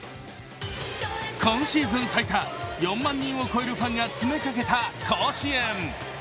今シーズン最多、４万人を超えるファンが詰めかけた甲子園。